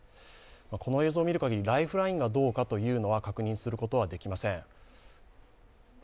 この映像を見るかぎりライフラインがどうかというのは確認することはできません。